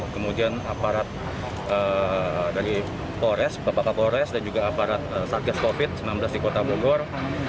kemudian aparat dari polres bapak kapolres dan juga aparat satgas covid sembilan belas di kota bogor